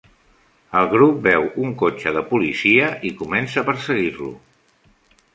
El grup veu un cotxe de policia i comença a perseguir-lo.